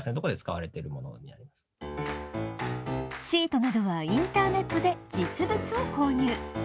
シートなどはインターネットで実物を購入。